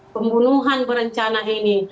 pembunuhan berencana ini